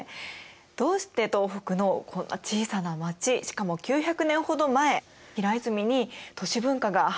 どうして東北のこんな小さな町しかも９００年ほど前平泉に都市文化が花開いたんでしょうか？